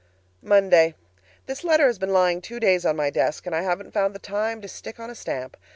Monday. This letter has been lying two days on my desk, and I haven't found the time to stick on a stamp.